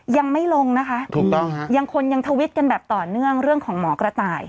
ยังไม่ลงนะคะถูกต้องฮะยังคนยังทวิตกันแบบต่อเนื่องเรื่องของหมอกระต่าย